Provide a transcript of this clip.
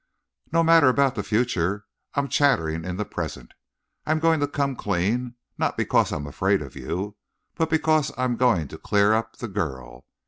"No matter about the future. I'm chattering in the present. I'm going to come clean, not because I'm afraid of you, but because I'm going to clear up the girl.